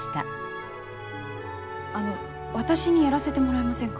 あの私にやらせてもらえませんか？